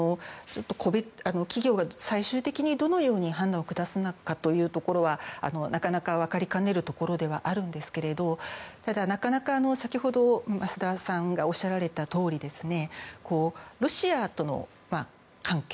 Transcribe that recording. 企業が最終的にどのように判断を下すのかというところはなかなか分かりかねるところではあるんですけどもただ、先ほど増田さんがおっしゃられたとおりロシアとの関係